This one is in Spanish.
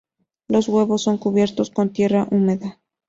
Los huevos son cubiertos con tierra húmeda.